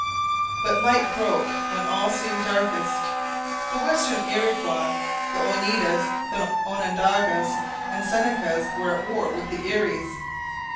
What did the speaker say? But light broke when all seemed darkest. The western Iroquois the Oneidas, Onondagas, and Senecas were at war with the Eries.